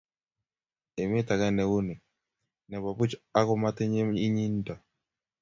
emet age ne uu nik ne bo buch aku matinye inyinyinto